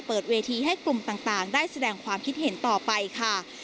เปิดเวทีให้กลุ่มต่างได้แสดงความคิดเห็นต่อไปค่ะ